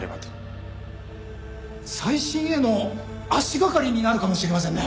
再審への足掛かりになるかもしれませんね。